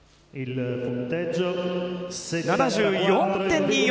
７４．２４。